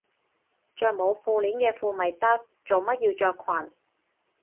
着冇褲鏈嘅褲咪得，做乜要着裙